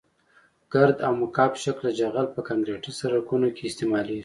ګرد او مکعب شکله جغل په کانکریټي سرکونو کې استعمالیږي